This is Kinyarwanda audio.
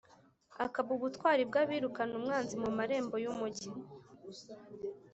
akaba ubutwari bw’abirukana umwanzi mu marembo y’umugi.